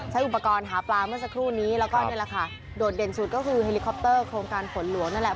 อุปกรณ์หาปลาเมื่อสักครู่นี้แล้วก็นี่แหละค่ะโดดเด่นสุดก็คือเฮลิคอปเตอร์โครงการฝนหลวงนั่นแหละ